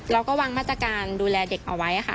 เราก็วางพัฒนาการดูแลเด็กเอาไว้